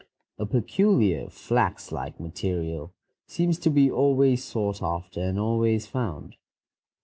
A peculiar flax like material seems to be always sought after and always found.